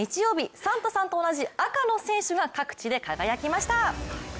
サンタさんと同じ赤の選手が、各地で輝きました。